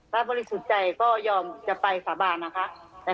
ถ้าบริสุทธิ์ใจก็ยอมจะไปสาบานนะคะ